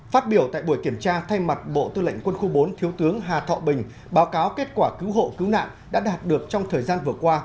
phát biểu tại buổi kiểm tra thay mặt bộ tư lệnh quân khu bốn thiếu tướng hà thọ bình báo cáo kết quả cứu hộ cứu nạn đã đạt được trong thời gian vừa qua